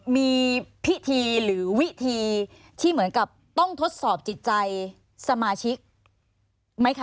มีพิธีหรือวิธีที่เหมือนกับต้องทดสอบจิตใจสมาชิกไหมคะ